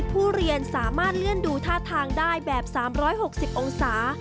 ผู้เรียนสามารถเลื่อนดูท่าทางได้แบบ๓๖๐องศา